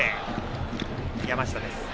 山下です。